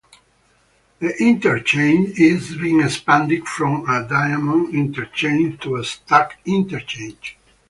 The interchange is being expanded from a diamond interchange to a stack interchange.